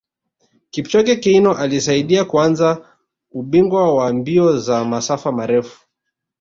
Kipchoge Keino alisaidia kuanza ubingwa wa mbio za masafa marefu